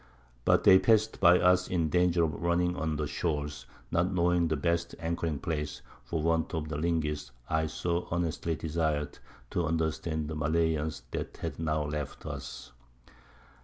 But they pass'd by us in danger of running on the Sholes, not knowing the best anchoring Place, for want of the Linguist I so earnestly desir'd, to understand the Malayans that had now left us.